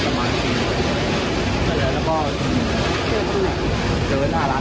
เพราะว่าเป็น๑๐เรามีแค่๒ผมมันมา๕คน